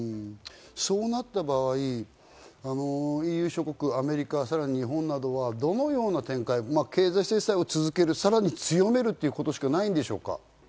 そうなった場合、ＥＵ、アメリカさらに日本などはどのような制裁、経済制裁をさらに強めるということしかないんでしょうか？